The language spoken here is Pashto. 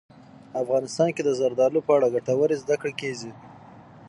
افغانستان کې د زردالو په اړه ګټورې زده کړې کېږي.